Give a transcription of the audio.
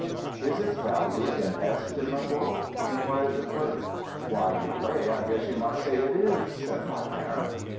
"Is its value inestimable?" inquired the clerk. "Why, in a way I guess you might say it is," said my parent.